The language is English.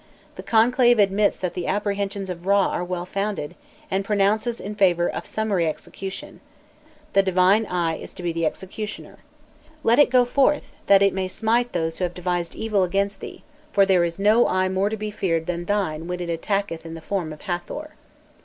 The conclave admits that the apprehensions of Râ are well founded, and pronounces in favour of summary execution; the Divine Eye is to be the executioner. "Let it go forth that it may smite those who have devised evil against thee, for there is no Eye more to be feared than thine when it attacketh in the form of Hâthor."